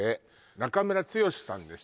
中村剛さんです